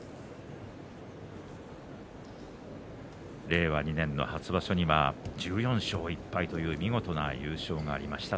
令和２年の初場所には１４勝１敗という見事な優勝がありました